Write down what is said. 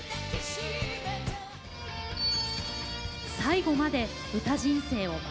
「最後まで歌人生を全うしたい」。